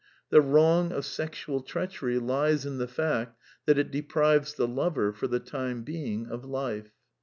The wrong of sexual treachery lies in the fact that it deprives the lover (for the time being) of life.